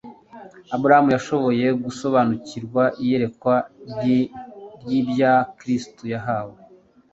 Aburahamu yashoboye gusobanukirwa iyerekwa ry'ibya Kristo yahawe.